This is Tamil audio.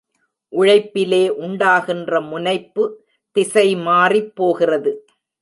உழைப்பிலே உண்டாகின்ற முனைப்பு திசை மாறிப்போகிறது.